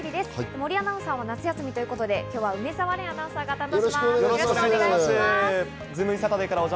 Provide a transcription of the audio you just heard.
森アナウンサーは夏休みということで、今日は梅澤廉アナウンサーが担当します、よろしくお願いします。